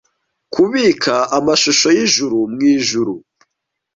Kubika amashusho yijuru mwijuru,